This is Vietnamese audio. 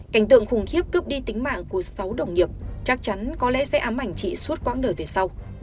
cảnh tượng khủng khiếp cướp đi tính mạng của sáu đồng nghiệp chắc chắn có lẽ sẽ ám ảnh chị suốt quãng đời về sau